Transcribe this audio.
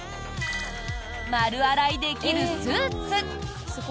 丸洗いできるスーツ。